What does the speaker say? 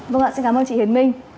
vâng ạ xin cảm ơn chị hiến minh